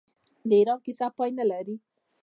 د ایران کیسه پای نلري.